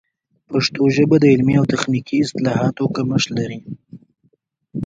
پښتو ژبه د علمي او تخنیکي اصطلاحاتو کمښت لري.